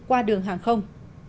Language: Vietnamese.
qua đường hàng không